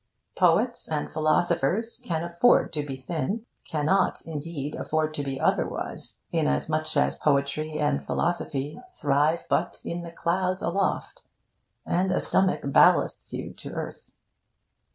Poets and philosophers can afford to be thin cannot, indeed, afford to be otherwise; inasmuch as poetry and philosophy thrive but in the clouds aloft, and a stomach ballasts you to earth.